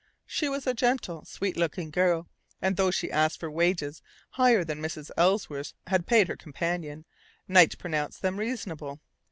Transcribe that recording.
She was a gentle, sweet looking girl, and though she asked for wages higher than Mrs. Ellsworth had paid her companion, Knight pronounced them reasonable.